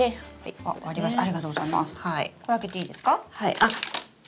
あっ！